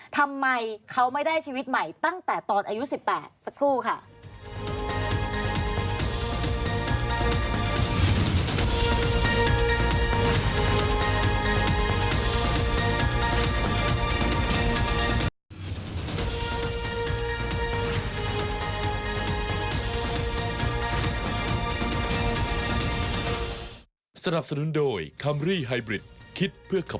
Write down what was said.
ทำไมเขาไม่ได้ชีวิตใหม่ตั้งแต่ตอนอายุ๑๘สักครู่ค่ะ